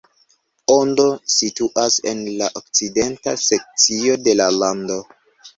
Ondo situas en la okcidenta sekcio de la lando.